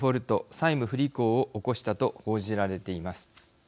債務不履行を起こしたと報じられています。